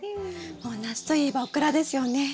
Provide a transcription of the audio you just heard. もう夏といえばオクラですよね。